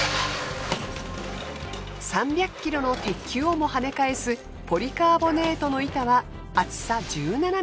３００ｋｇの鉄球をも跳ね返すポリカーボネートの板は厚さ１７ｍｍ。